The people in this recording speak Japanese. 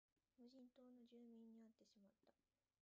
無人島の住民に会ってしまった